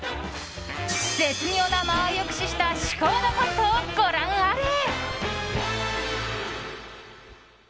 絶妙な間合いを駆使した至高のコントをご覧あれ。